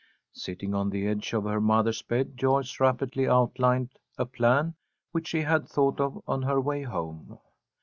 Sitting on the edge of her mother's bed, Joyce rapidly outlined a plan which she had thought of on her way home.